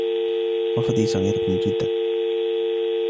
غرفتي صغيرةٌ جداً.